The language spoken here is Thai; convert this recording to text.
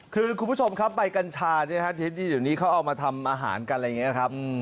คือคุณผู้ชมครับใบกัญชาที่เดี๋ยวนี้เขาเอามาทำอาหารกันอะไรอย่างนี้ครับ